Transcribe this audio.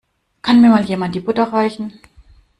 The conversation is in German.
Kann mir Mal jemand die Butter reichen?